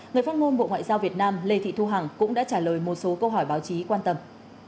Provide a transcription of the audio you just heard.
người phát ngôn bộ ngoại giao việt nam lê thị thu hằng cũng đã trả lời một số câu hỏi báo chí quan tâm